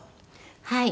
はい。